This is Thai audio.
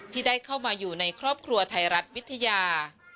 ที่ได้เข้ามาอยู่ในครอบครัวไทยรัฐวิทยา